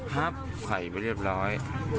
พับไข่ไปเรียบร้อย